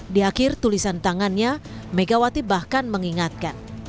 di akhir tulisan tangannya megawati bahkan mengingatkan